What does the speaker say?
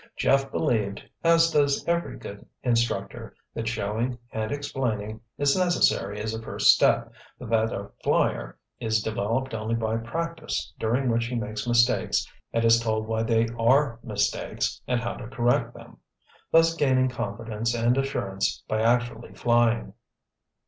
Jeff believed, as does every good instructor, that showing, and explaining, is necessary as a first step, but that a flyer is developed only by practice during which he makes mistakes and is told why they are mistakes and how to correct them, thus gaining confidence and assurance by actually flying.